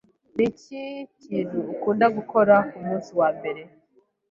Niki kintu ukunda gukora kumunsi wambere?